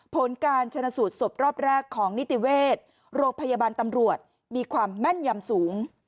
ผลการชนะสูตรศพรอบแรกของนิติเวชโรงพยาบาลตำรวจมีความแม่นยำสูง